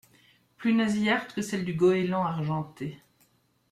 Plus nasillarde que celle du Goéland argenté.